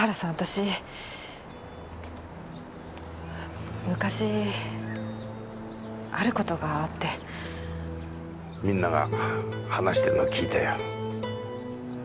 私昔あることがあってみんなが話してるのを聞いたよ